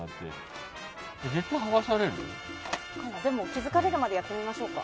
気づかれるまでやってみましょうか。